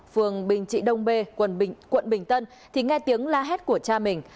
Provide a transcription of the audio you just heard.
phường bình trị đông bê quận bình tân thì nghe tiếng la hét của cha mình